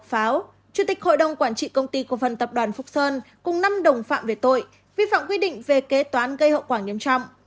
phó chủ tịch hội đồng quản trị công ty cổ phần tập đoàn phúc sơn cùng năm đồng phạm về tội vi phạm quy định về kế toán gây hậu quả nghiêm trọng